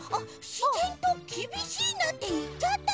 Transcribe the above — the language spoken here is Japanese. しぜんと「きびしいな」っていっちゃった。